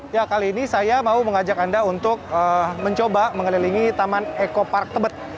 ya kali ini saya mau mengajak anda untuk mencoba mengelilingi taman eko park tebet